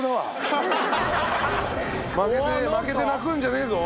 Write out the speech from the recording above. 負けて泣くんじゃねえぞ。